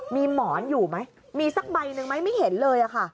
มีหมอนอยู่ไหมมีสักใบหนึ่งไหมไม่เห็นเลยค่ะ